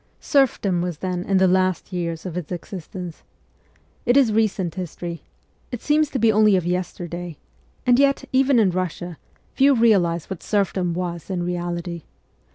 Serfdom was then in the last years of its existence. It is recent history it seems to be only of yesterday ; and yet, even in Eussia, few realize what serfdom was CHILDHOOD 57 in reality.